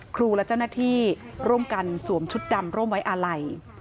ครูและเจ้าหน้าที่ร่วมกันสวมชุดดำร่วมไว้อาลัย